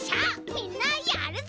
みんなやるぞ！